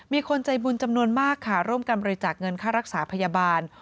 มีคนใจบุญจำนวนมากค่ะร่วมกันบริจาคเงินค่ารักษาพยาบาล